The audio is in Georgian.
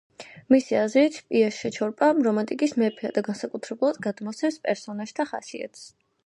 მისი აზრით იაშა ჩოპრა რომანტიკის მეფეა და განსაკუთრებულად გადმოსცემს პერსონაჟთა ხასიათს.